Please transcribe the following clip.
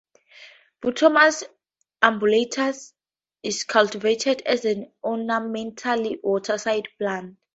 "Butomus umbellatus" is cultivated as an ornamental waterside plant.